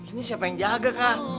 ini siapa yang jaga kan